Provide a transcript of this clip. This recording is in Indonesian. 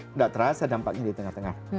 tidak terasa dampaknya di tengah tengah